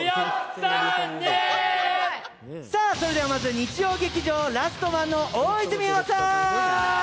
さあ、それではまず日曜劇場「ラストマン」の大泉洋さん！